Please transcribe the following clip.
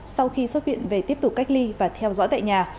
sau khi xuất viện về tiếp tục cách ly và theo dõi tại nhà